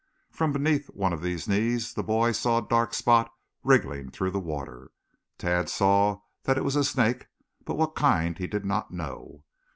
From beneath one of these knees the boy saw a dark spot wriggling through the water. Tad saw that it was a snake, but what kind he did not know.